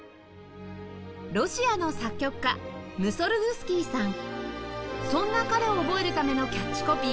ロシアの作曲家そんな彼を覚えるためのキャッチコピー